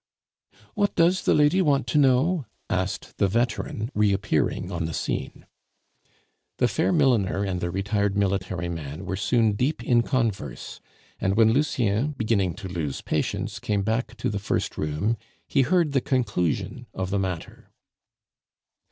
"What does the lady want to know?" asked the veteran, reappearing on the scene. The fair milliner and the retired military man were soon deep in converse; and when Lucien, beginning to lose patience, came back to the first room, he heard the conclusion of the matter.